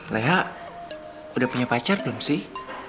leha udah punya pacar belum sih